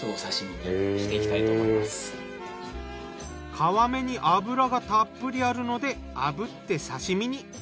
皮目に脂がたっぷりあるので炙って刺身に。